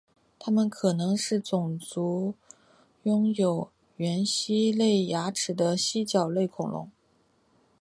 它们可能是种拥有原蜥脚类牙齿的蜥脚类恐龙。